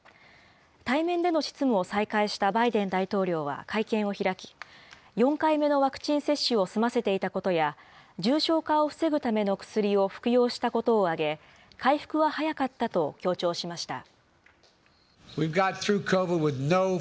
対面での執務を再開したバイデン大統領は会見を開き、４回目のワクチン接種を済ませていたことや、重症化を防ぐための薬を服用したことを挙げ、回復は早かったと強調しました。